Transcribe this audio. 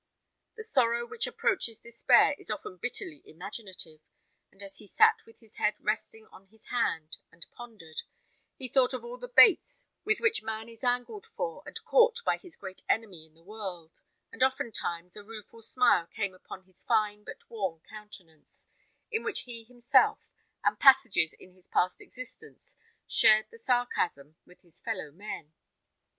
The sorrow which approaches despair is often bitterly imaginative; and as he sat with his head resting on his hand, and pondered, he thought of all the baits with which man is angled for and caught by his great enemy in the world; and oftentimes a rueful smile came upon his fine but worn countenance, in which he himself, and passages in his past existence, shared the sarcasm with his fellow men.